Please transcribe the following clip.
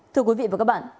thưa quý vị và các bạn